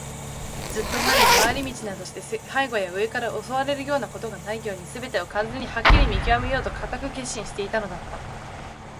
ずっと前に、廻り道などして背後や上から襲われるようなことがないように、すべてを完全にはっきり見きわめようと固く決心していたのだった。